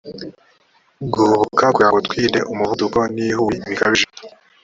guhubuka kugira ngo twirinde umuvuduko n ihubi bikabije